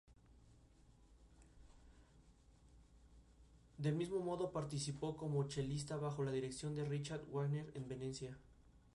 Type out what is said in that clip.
Por otra parte, la "N,N"-dimetilciclohexilamina es una sustancia nociva para el medio ambiente.